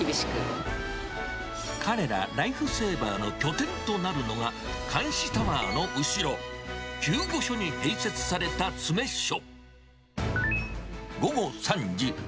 彼らライフセーバーの拠点となるのが、監視タワーの後ろ、救護所に併設された詰所。